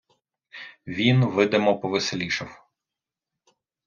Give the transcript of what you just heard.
Він видимо повеселішав.